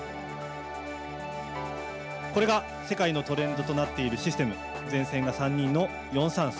これが世界のトレンドとなっているシステム前線が３人の４−３−３。